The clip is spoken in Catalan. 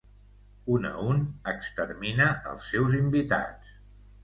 Un a un, extermina els seus invitats.